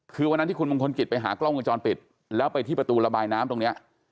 คือวันนั้นที่คุณมงคลกิจไปหากล้องวงจรปิดแล้วไปที่ประตูระบายน้ำตรงนี้